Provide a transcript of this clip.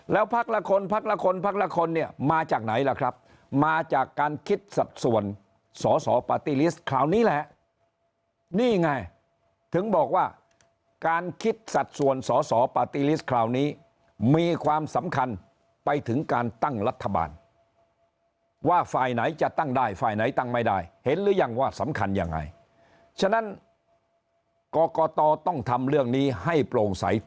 แล้วพักละคนพักละคนพักละคนเนี่ยมาจากไหนล่ะครับมาจากการคิดสัดส่วนสอสอปาร์ตี้ลิสต์คราวนี้แหละนี่ไงถึงบอกว่าการคิดสัดส่วนสอสอปาร์ตี้ลิสต์คราวนี้มีความสำคัญไปถึงการตั้งรัฐบาลว่าฝ่ายไหนจะตั้งได้ฝ่ายไหนตั้งไม่ได้เห็นหรือยังว่าสำคัญยังไงฉะนั้นกรกตต้องทำเรื่องนี้ให้โปร่งใส